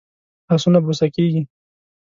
لاسونه بوسه کېږي